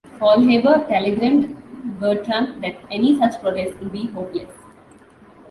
Faulhaber telegrammed Bertram that any such protest would be "hopeless".